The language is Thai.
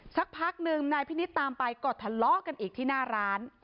สักพักหนึ่งนายพินิษฐ์ตามไปก็ทะเลาะกันอีกที่หน้าร้าน